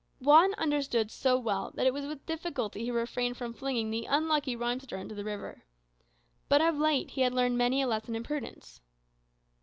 Juan understood so well that it was with difficulty he refrained from flinging the unlucky rhymester into the river. But of late he had learned many a lesson in prudence.